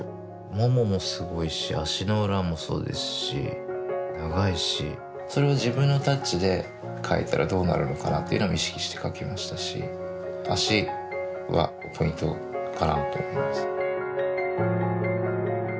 腿もすごいし足の裏もそうですし長いしそれを自分のタッチで描いたらどうなるのかなっていうのを意識して描きましたし脚はポイントかなと思います。